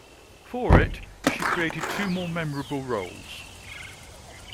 For it, she created two more memorable roles.